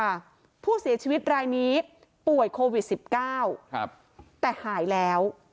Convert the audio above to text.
ว่าผู้เสียชีวิตรายนี้ป่วยโควิด๑๙แต่หายแล้ว